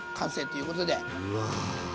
うわ。